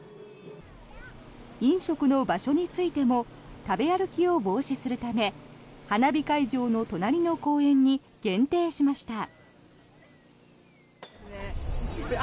飲食の場所についても食べ歩きを防止するため花火会場の隣の公園に限定しました。